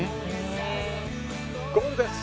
ゴールです。